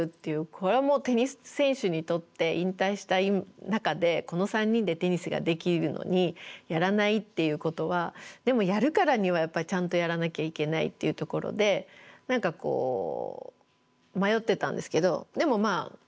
これはもうテニス選手にとって引退した中でこの３人でテニスができるのにやらないっていうことはでもやるからにはやっぱりちゃんとやらなきゃいけないっていうところで何かこう迷ってたんですけどでもまあ